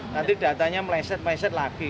nanti datanya meleset meleset lagi